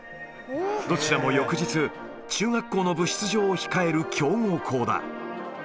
どちらも翌日、中学校の部出場を控える強豪校だ。